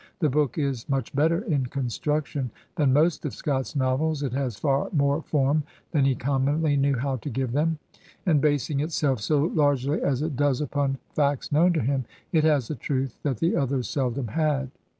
The book is much better in construction than most of Scott's novels ; it has far more form than he commonly knew how to give them, and, basing itself so largely as it does upon facts known to him, it has a truth that the others seldom had.